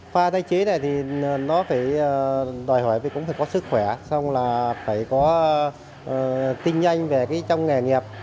khoa tay chế này thì nó phải đòi hỏi cũng phải có sức khỏe xong là phải có tin nhanh về cái trong nghề nghiệp